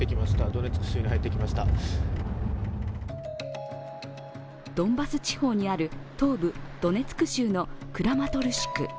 ドンバス地方にある東部ドネツク州のクラマトルシク。